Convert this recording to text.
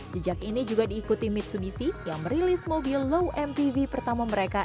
jejak ini juga diikuti mitsubishi yang merilis mobil low mpv pertama mereka